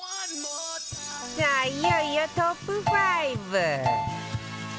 さあいよいよトップ５